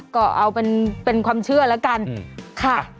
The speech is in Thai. ก็เอาเป็นความเชื่อแล้วกันค่ะ